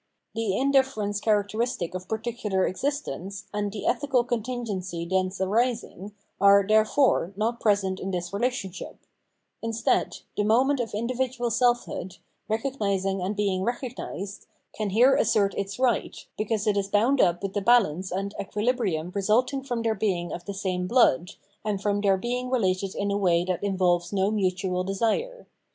The indifferepc^ 453 The Ethical World characteristic of particular existence, and the ethical contingency thence arising, are, therefore, not present in this relationship ; instead, the moment of individual selfhood, recognising and being recognised, can here assert its right, because it is bound up with the balance and equilibrium resulting from their being of the same blood, and from their being related in a way that involves no mutual desire.